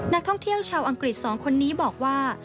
นักท่องเที่ยวชาวอังกฤษ๒คนนี้บอกว่า